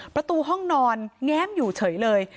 ประตูห้องนอนแง้มอยู่เฉยเลย